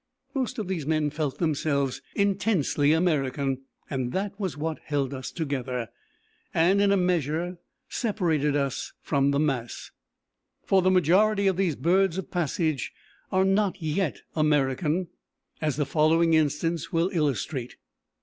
Most of these men felt themselves intensely American; and that was what held us together and in a measure separated us from the mass. For the majority of these birds of passage are not yet American, as the following instance will illustrate.